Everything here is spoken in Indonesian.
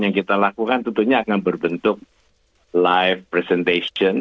yang kita lakukan tentunya akan berbentuk life presentation